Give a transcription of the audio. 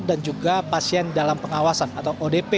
dan juga pasien dalam pengawasan atau odp dan juga pdp